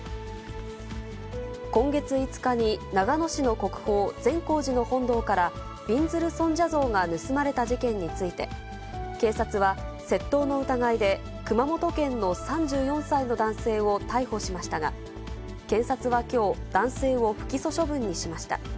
今月５日に、長野市の国宝、善光寺の本堂から、びんずる尊者像が盗まれた事件について、警察は、窃盗の疑いで、熊本県の３４歳の男性を逮捕しましたが、検察はきょう、男性を不起訴処分にしました。